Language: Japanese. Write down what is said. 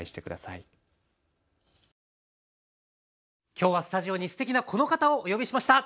今日はスタジオにすてきなこの方をお呼びしました。